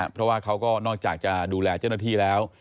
เพราะว่าเขาก็นอกจากจะดูแลเจ้าหน้าที่แล้ว